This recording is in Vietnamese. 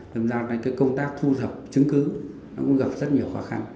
thế nên công tác thu thập chứng cứ cũng gặp rất nhiều khó khăn